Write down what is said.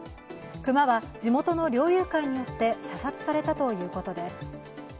熊は地元の猟友会によって射殺されたということです。